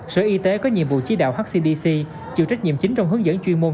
sở y tế có nhiệm vụ chỉ đạo hcdc chịu trách nhiệm chính trong hướng dẫn chuyên môn